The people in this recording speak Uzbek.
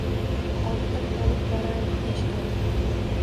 Ortda qolib borardi Toshkand